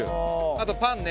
あと、パンね。